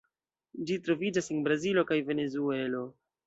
Ĝi troviĝas en Brazilo kaj Venezuelo.